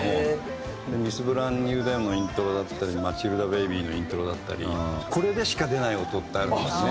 『ミス・ブランニュー・デイ』のイントロだったり『マチルダＢＡＢＹ』のイントロだったりこれでしか出ない音ってあるんですね。